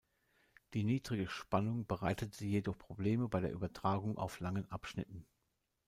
Die niedrige Spannung bereitete jedoch Probleme bei der Übertragung auf langen Abschnitten.